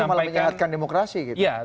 pertujuh malah menyelamatkan demokrasi gitu ya